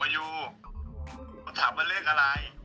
มายูถามถามเรียกอะไร